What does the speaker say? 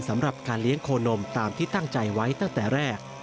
สำหรับการเลี้ยงโคนมตามที่ตั้งใจไว้ตั้งแต่แรก